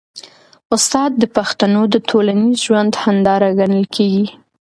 استاد د پښتنو د ټولنیز ژوند هنداره ګڼل کېږي.